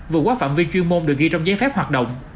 vừa qua phạm vi chuyên môn được ghi trong giấy phép hoạt động